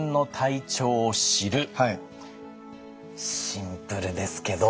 シンプルですけど。